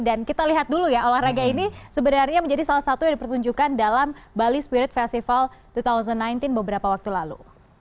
dan kita lihat dulu ya olahraga ini sebenarnya menjadi salah satu yang dipertunjukkan dalam bali spirit festival dua ribu sembilan belas beberapa waktu lalu